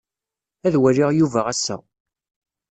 Ad waliɣ Yuba ass-a.